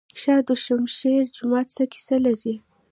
شاه دوشمشیره جومات څه کیسه لري؟